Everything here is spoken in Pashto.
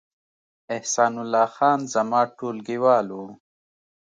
احسان الله خان زما ټولګیوال و